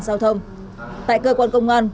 sau thông tại cơ quan công an